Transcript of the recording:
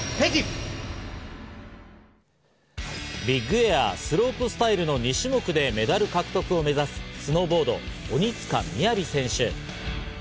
ビッグエア、スロープスタイルの２種目でメダル獲得を目指すスノーボード、鬼塚雅選手。